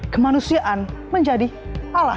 kemanusiaan menjadi kesehatan